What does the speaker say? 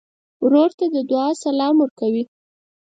ورور ته د دعا سلام ورکوې.